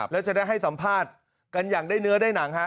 แล้วจะได้ให้สัมภาษณ์กันอย่างได้เนื้อได้หนังฮะ